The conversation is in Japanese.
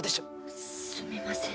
すみません。